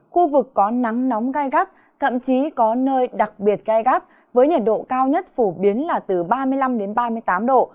khu vực có nắng nóng gai gắt thậm chí có nơi đặc biệt gai gắt với nhiệt độ cao nhất phổ biến là từ ba mươi năm ba mươi tám độ